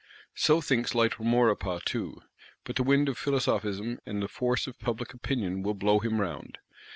So thinks light Maurepas too; but the wind of Philosophism and force of public opinion will blow him round.